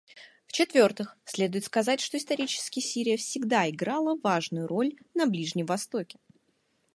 В-четвертых, следует сказать, что исторически Сирия всегда играла важную роль на Ближнем Востоке.